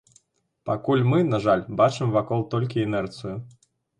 Пакуль мы, на жаль, бачым вакол толькі інерцыю.